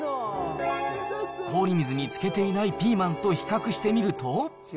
氷水につけていないピーマンと比較してみると。